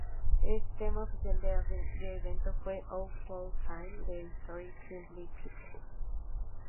El tema oficial del evento fue ""Out of Time"" de Stone Temple Pilots.